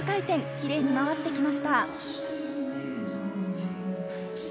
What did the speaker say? キレイに回ってきました。